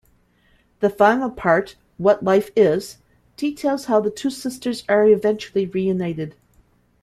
The final part, "What Life Is", details how the two sisters are eventually reunited.